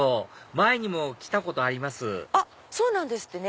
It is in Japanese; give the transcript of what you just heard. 前にも来たことありますそうなんですってね。